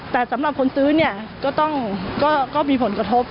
แต่สำหรับคนซื้อเนี่ยก็ต้องมีผลกระทบ